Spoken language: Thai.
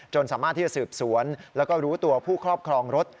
สามารถที่จะสืบสวนแล้วก็รู้ตัวผู้ครอบครองรถ